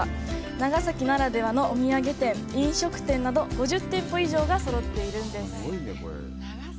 長崎ならではのお土産店、飲食店など５０店舗以上がそろっているんです。